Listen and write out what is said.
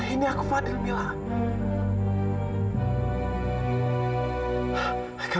ini aku fadil mila